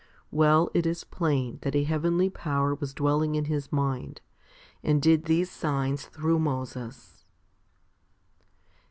Well, it is plain that a heavenly power was dwelling in his mind, and did these signs through Moses.